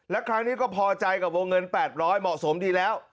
และครั้งนี้ก็พอใจกับวงเงิน๘๐๐เหมาะสมดีแล้ว